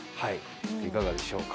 いかがでしょうか？